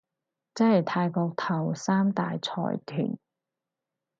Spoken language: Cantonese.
即係泰國頭三大財團